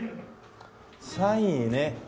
３位ね。